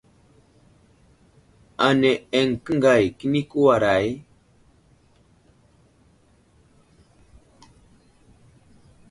Ana eŋ kəngay kəni nəwaray ?